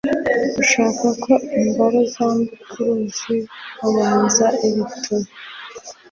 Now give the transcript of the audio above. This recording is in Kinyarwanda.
ushaka ko imboro zambuka uruzi abanza ibituba